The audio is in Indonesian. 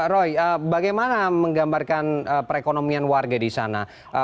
roy bagaimana menggambarkan perekonomian warga di sana